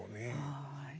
はい。